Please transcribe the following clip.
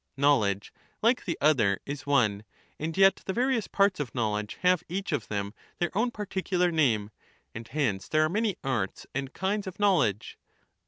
Knowledge, like the other, is one ; and yet the various parts of knowledge have each of them their own particular name, and hence there are many arts and kinds of knowledge.